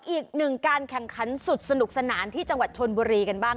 อีกหนึ่งการแข่งขันสุดสนุกสนานที่จังหวัดชนบุรีกันบ้าง